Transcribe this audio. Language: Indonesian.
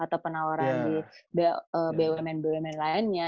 atau penawaran di bumn bumn lainnya